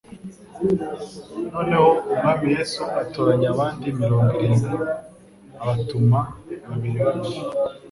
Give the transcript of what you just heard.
noneho «Umwami Yesu, atoranya abandi mirongo irindwi abatuma babiri babiri